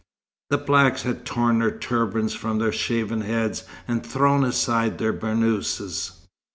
The blacks had torn their turbans from their shaven heads, and thrown aside their burnouses.